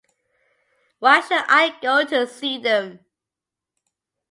Why should I go to see them?